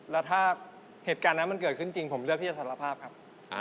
แล้วถ้าเหตุการณ์นั้นมันเกิดขึ้นจริงผมเลือกที่จะสารภาพครับ